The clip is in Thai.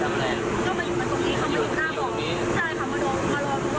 ใช่ค่ะถ้าเกิดพุ่งเบียดเปรียบเปรียบ